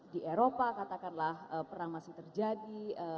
di eropa katakanlah perang masih terjadi